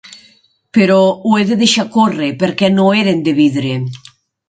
, però ho he deixat córrer perquè no eren de vidre.